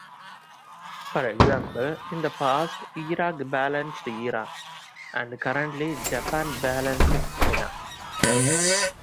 For example, in the past, Iraq balanced Iran, and currently Japan balances China.